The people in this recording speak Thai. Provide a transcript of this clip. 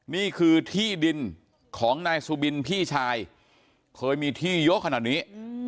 นี่คือที่ดินของนายสุบินพี่ชายเคยมีที่เยอะขนาดนี้